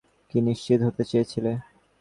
কী নিশ্চিত হতে চেয়েছিলে?